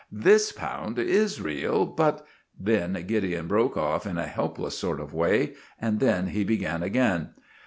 "This pound is real, but——" Then Gideon broke off in a helpless sort of way, and then he began again.